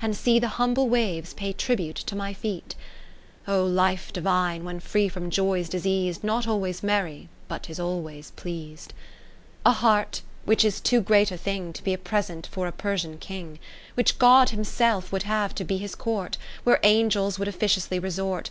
And see the humble waves pay tri bute to my feet^ O life divine, when free from joys diseas'd, Not always merry, but 'tis always pleas'd ! 60 V A heart, which is too great a thing To be a present for a Persian King, Which God Himself would have to be His court. Where Angels would officiously re sort.